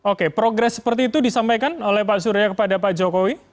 oke progres seperti itu disampaikan oleh pak surya kepada pak jokowi